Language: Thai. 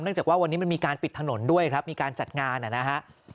จากว่าวันนี้มันมีการปิดถนนด้วยครับมีการจัดงานนะฮะ